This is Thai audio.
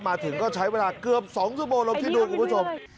มาถึงก็ใช้เวลาเกือบ๒ชั่วโมงลองคิดดูคุณผู้ชม